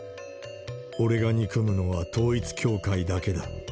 俺が憎むのは統一教会だけだ。